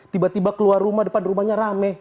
tiba tiba keluar rumah depan rumahnya rame